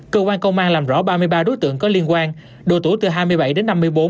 cơ quan công an làm rõ ba mươi ba đối tượng có liên quan độ tuổi từ hai mươi bảy đến năm mươi bốn